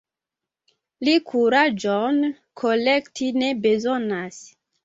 Li kuraĝon kolekti ne bezonas.